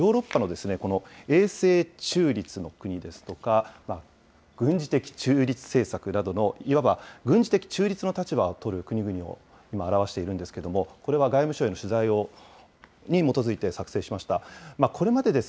こちらを見ていただきたいんですけれども、ヨーロッパのこの永世中立の国ですとか、軍事的中立政策などの、いわば軍事的中立の立場を取る国々を今、表しているんですけれども、これは外務省への取材に基づいて作成しました。